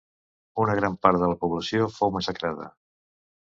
Una gran part de la població fou massacrada.